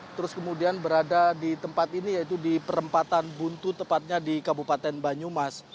terus kemudian berada di tempat ini yaitu di perempatan buntu tepatnya di kabupaten banyumas